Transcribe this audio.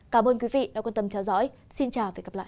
cảm ơn quý vị đã quan tâm theo dõi xin chào và hẹn gặp lại